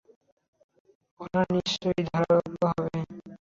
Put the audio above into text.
ওটা নিশ্চয়ই ধারালো হবে।